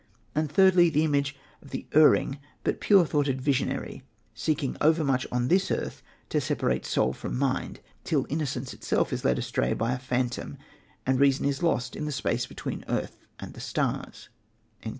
And thirdly, the image of the erring but pure thoughted Visionary, seeking overmuch on this earth to separate soul from mind, till innocence itself is led astray by a phantom and reason is lost in the space between earth and the stars."